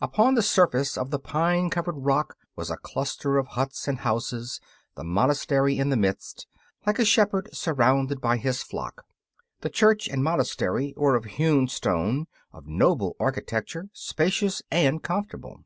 Upon the surface of a pine covered rock was a cluster of huts and houses, the monastery in the midst, like a shepherd surrounded by his flock. The church and monastery were of hewn stone, of noble architecture, spacious and comfortable.